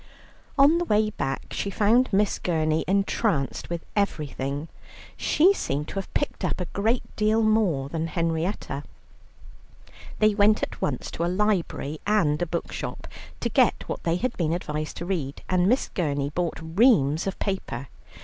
On the way back she found Miss Gurney entranced with everything; she seemed to have picked up a great deal more than Henrietta. They went at once to a library and a bookshop to get what they had been advised to read, and Miss Gurney bought reams of paper.